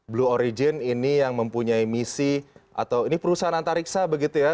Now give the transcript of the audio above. blue origin ini yang mempunyai misi atau ini perusahaan antariksa begitu ya